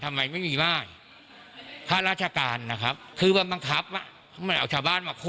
ทำไมไม่มีมากฆ่าราชการนะครับคือมันบังคับมันเอาชาวบ้านมาคู